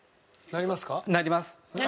なります！